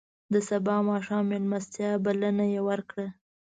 د سبا ماښام میلمستیا بلنه یې وکړه.